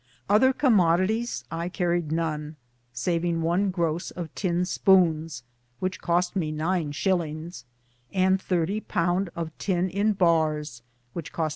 Other comoditis I carriede none, savinge one grose of tin spounes, the which coste me nyne shillinges ; and thirtie pounde of tin in bares, which coste me iSs.